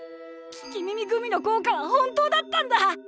聞き耳グミの効果は本当だったんだ！